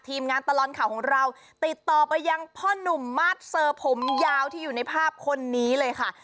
งานตลอดข่าวของเราติดต่อไปยังพ่อหนุ่มมาสเซอร์ผมยาวที่อยู่ในภาพคนนี้เลยค่ะ